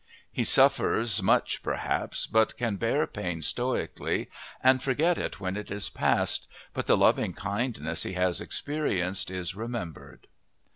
He suffers much perhaps, but can bear pain stoically and forget it when it is past, but the loving kindness he has experienced is remembered.